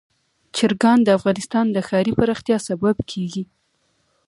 چرګان د افغانستان د ښاري پراختیا سبب کېږي.